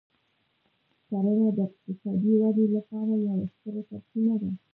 کرنه د اقتصادي ودې لپاره یوه ستره سرچینه ده.